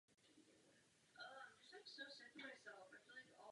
Zadní část domu je zděná s hlavním vchodem.